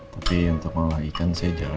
tapi untuk mengolah ikan saya jago sekarang